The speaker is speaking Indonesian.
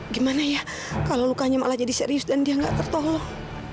gimana ya kalau lukanya malah jadi serius dan dia nggak tertolong